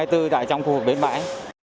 tại trong khu vực bến bãi